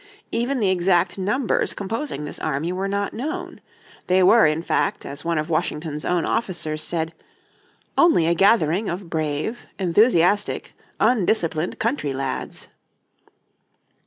Even the exact numbers composing this army were not known. They were, in fact, as one of Washington's own officers said, "only a gathering of brave, enthusiastic, undisciplined country lads."